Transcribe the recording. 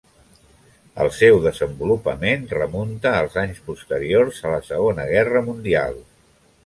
El seu desenvolupament a remunta als anys posteriors a la Segona Guerra Mundial.